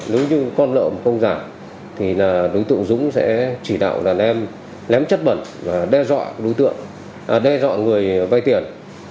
nếu như con lợn không giả thì đối tượng dũng sẽ chỉ đạo đàn em ném chất bẩn và đe dọa người vay tiền